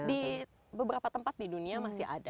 di beberapa tempat di dunia masih ada